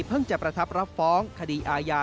จะประทับรับฟ้องคดีอาญา